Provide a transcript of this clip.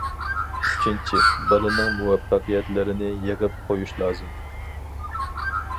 ئۈچىنچى، بالىنىڭ مۇۋەپپەقىيەتلىرىنى يىغىپ قويۇش لازىم.